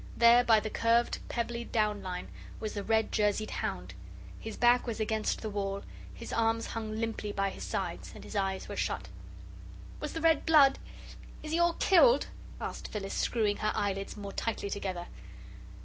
There, by the curved, pebbly down line, was the red jerseyed hound. His back was against the wall, his arms hung limply by his sides, and his eyes were shut. "Was the red, blood? Is he all killed?" asked Phyllis, screwing her eyelids more tightly together.